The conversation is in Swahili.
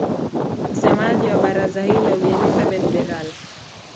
msemaji wa baraza hilo bi elizabeth brellal